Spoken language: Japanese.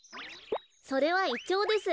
それはイチョウです。